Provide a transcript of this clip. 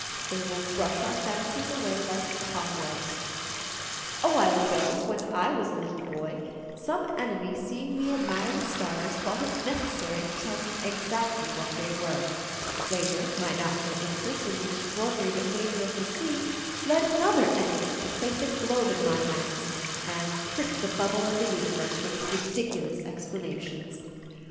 They will brush our fancies away like cobwebs. THE PERIL OF THE FAIRIES 209 A while ago, when I was a little boy, some enemy seeing me admire the stars thought it necessary to tell me exactly what they were ; later, my natural interest in the extra ordinary behaviour of the sea led another enemy to place a globe in my hands, and prick the bubble of the universe with ridiculous explanations.